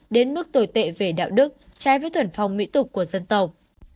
đến mức tồi tệ về đạo đức trái với thuần phong mỹ tục của dân tộc